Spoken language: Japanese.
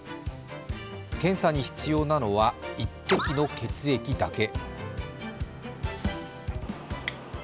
検査に必要なのは１滴の血液だけ。